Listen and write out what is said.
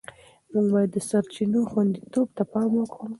موږ باید د سرچینو خوندیتوب ته پام وکړو.